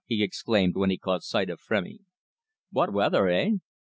he exclaimed, when he caught sight of Frémy. "What weather, eh?"